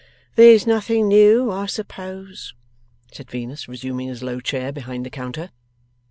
'There's nothing new, I suppose?' said Venus, resuming his low chair behind the counter.